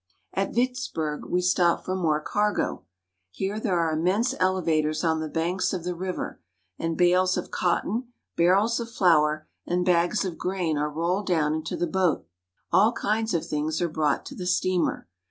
At Vicksburg we stop for more cargo. Here there are immense elevators on the banks of the river, and bales of cotton, barrels of flour, and bags of grain are rolled down into the boat. All kinds of things are brought to the steamer.